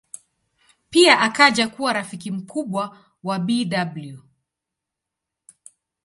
Pia akaja kuwa rafiki mkubwa wa Bw.